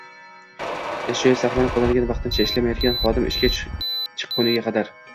ish joyi saqlanib qolinadigan vaqtincha ishlamayotgan xodim ishga chiqqunga qadar